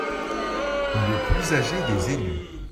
Le plus âgé des élus.